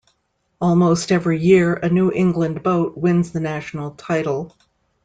Almost every year, a New England boat wins the national title.